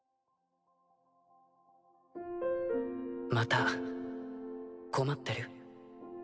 また困ってる？